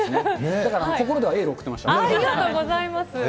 だから心ではエールを送ってましありがとうございます。